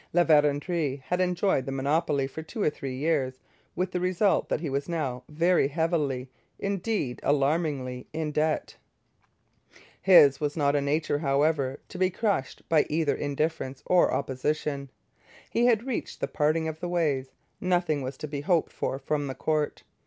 La Vérendrye had enjoyed the monopoly for two or three years with the result that he was now very heavily, indeed alarmingly, in debt. His was not a nature, however, to be crushed by either indifference or opposition. He had reached the parting of the ways. Nothing was to be hoped for from the court.